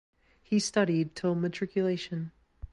He studied till matriculation.